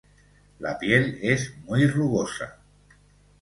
La piel es muy rugosa.